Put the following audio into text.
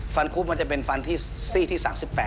คุบมันจะเป็นฟันที่ซี่ที่๓๘